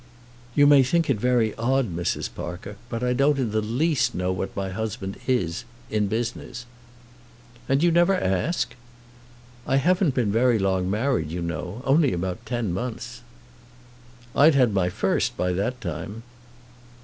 "You may think it very odd, Mrs. Parker, but I don't in the least know what my husband is in business." "And you never ask?" "I haven't been very long married, you know; only about ten months." "I'd had my fust by that time."